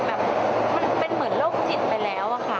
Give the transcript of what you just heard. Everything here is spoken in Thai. มันเป็นเหมือนโลกจิตไปแล้ว